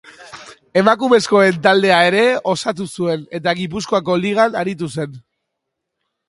Emakumezkoen taldea ere osatu zuen eta Gipuzkoako Ligan aritu zen.